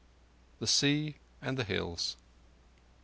The Sea and the Hills.